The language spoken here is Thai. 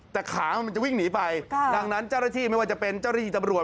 แต่ขามันจะวิ่งหนีไปดังนั้นเจ้าหน้าที่ไม่ว่าจะเป็นเจ้าหน้าที่ตำรวจ